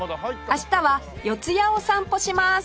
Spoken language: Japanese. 明日は四谷を散歩します